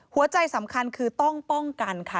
หัวใจสำคัญคือต้องป้องกันค่ะ